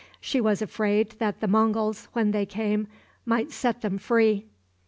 She was afraid that the Monguls, when they came, might set them free.